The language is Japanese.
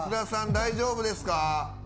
大丈夫ですか。